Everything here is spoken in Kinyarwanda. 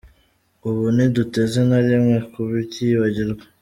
Ibyo ntiduteze na rimwe ku byibagirwa.